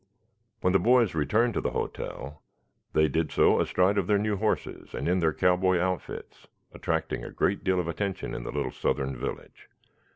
When the boys returned to the hotel they did so astride of their new horses and in their cowboy outfits, attracting a great deal of attention in the little southern village.